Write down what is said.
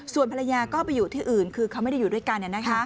ส่วนภรรยาก็ไปอยู่ที่อื่นคือเขาไม่ได้อยู่ด้วยกัน